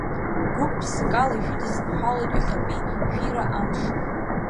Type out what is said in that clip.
Гәык-ԥсыкала ишәыдысныҳәалоит иахьатәи шәира амш.